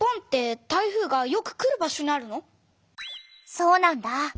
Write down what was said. そうなんだ。